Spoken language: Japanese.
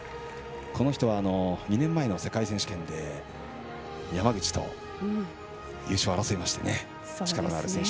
この人は、２年前の世界選手権で山口と優勝を争った力のある選手。